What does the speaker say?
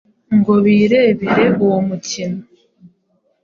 ngo birebere uwo mukino.